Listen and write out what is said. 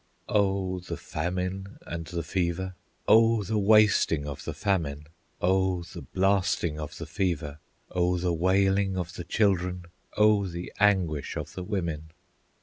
Oh the famine and the fever! Oh the wasting of the famine! Oh the blasting of the fever! Oh the wailing of the children! Oh the anguish of the women!